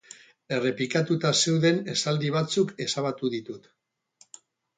Errepikatuta zeuden esaldi batzuk ezabatu ditut.